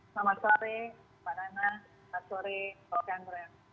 selamat sore pak nana selamat sore prof andra